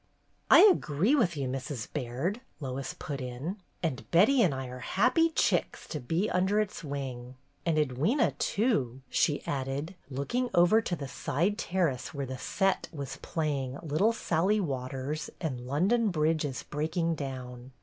"I agree with you, Mrs. Baird," Lois put in. "And Betty and I are happy chicks to be under its wing. And Edwyna, too," she added, looking over to the side terrace where "the set" was playing "Little Sally MISS JANE ARRIVES 145 Waters'' and "London Bridge is Breaking Down."